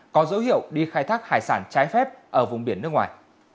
có dấu hiệu đi khai thác hải sản trái phép ở vùng biển nước ngoài